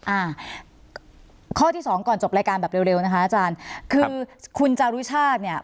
อ่าข้อที่สองก่อนจบรายการแบบเร็วนะคะอาจารย์คือคุณจารุชาติเนี่ย